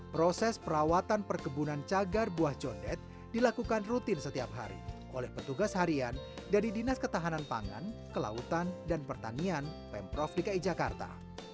proses perawatan perkebunan cagar buah condet dilakukan rutin setiap hari oleh petugas harian dari dinas ketahanan pangan kelautan dan pertanian pemprov dki jakarta